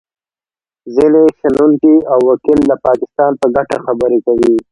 ځینې شنونکي او وکیل د پاکستان په ګټه خبرې کوي